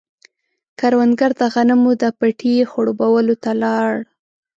کروندګر د غنمو د پټي خړوبولو ته لاړ.